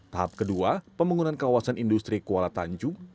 tahap kedua pembangunan kawasan industri kuala tanjung